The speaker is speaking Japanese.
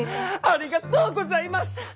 ありがとうございます！